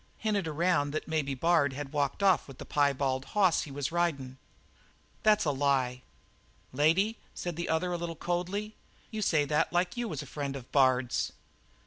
Hinted around that maybe Bard had walked off with the piebald hoss he was ridin'." "That's a lie." "Lady," said the other a little coldly, "you say that like you was a friend of Bard's."